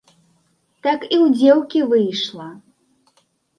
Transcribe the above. Так і ў дзеўкі выйшла.